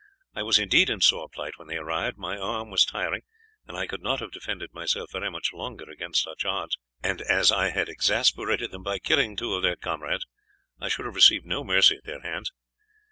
I was indeed in sore plight when they arrived; my arm was tiring, and I could not have defended myself very much longer against such odds, and as I had exasperated them by killing two of their comrades, I should have received no mercy at their hands.